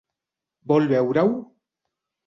Vol veure-ho?